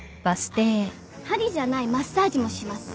あっはりじゃないマッサージもします。